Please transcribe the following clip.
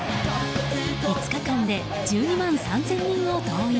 ５日間で１２万３０００人を動員。